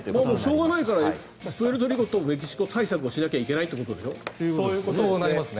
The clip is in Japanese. しょうがないからプエルトリコとメキシコ対策をしなきゃいけないってことでしょ？